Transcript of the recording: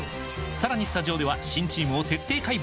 さらにスタジオでは新チームを徹底解剖！